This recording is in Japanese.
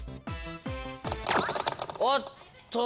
おっと！